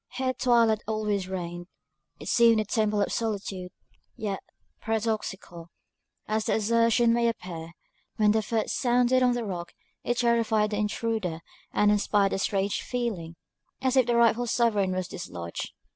Here twilight always reigned it seemed the Temple of Solitude; yet, paradoxical as the assertion may appear, when the foot sounded on the rock, it terrified the intruder, and inspired a strange feeling, as if the rightful sovereign was dislodged.